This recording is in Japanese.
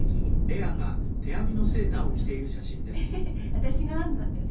私が編んだんですよ。